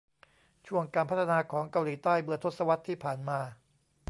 ช่วงการพัฒนาของเกาหลีใต้เมื่อทศวรรษที่ผ่านมา